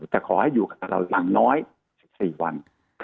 แต่ขอให้อยู่กับเราอย่างน้อย๑๔วัน